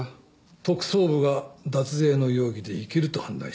特捜部が脱税の容疑でいけると判断した。